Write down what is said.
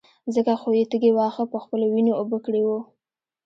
ځکه خو يې تږي واښه په خپلو وينو اوبه کړي وو.